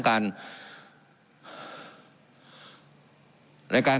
การปรับปรุงทางพื้นฐานสนามบิน